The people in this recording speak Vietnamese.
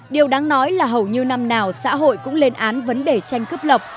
điều đáng nói là hầu như năm nào xã hội cũng lên án vấn đề tranh cướp lọc